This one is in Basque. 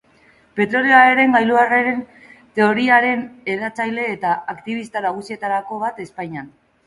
Petrolioaren gailurraren teoriaren hedatzaile eta aktibista nagusietako bat da Espainian.